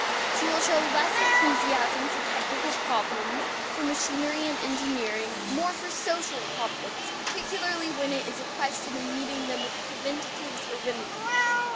She will show less enthusiasm for technical problems, for machinery and engineering; more for social problems, particularly when it is a question of meeting them with preventives or remedies.